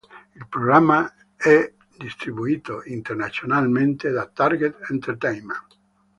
Il programma è distribuito internazionalmente da Target Entertainment.